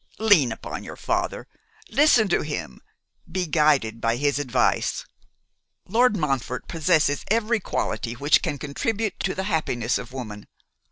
Lean upon your father, listen to him, be guided by his advice. Lord Montfort possesses every quality which can contribute to the happiness of woman.